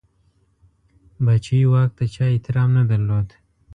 پاچهي واک ته چا احترام نه درلود.